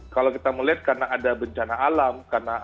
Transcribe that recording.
kalau kita melihat karena ada bencana alam